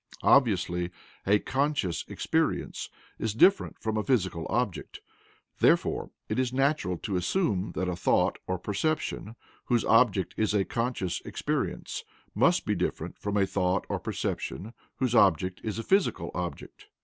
Obviously, a "conscious experience" is different from a physical object; therefore it is natural to assume that a thought or perception whose object is a conscious experience must be different from a thought or perception whose object is a physical object.